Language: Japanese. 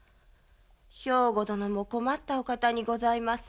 兵庫殿も困ったお方にございますな。